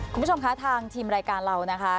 คุณผู้ชมคะทางทีมรายการเรานะคะ